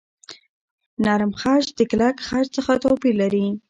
نرم خج د کلک خج څخه توپیر لري.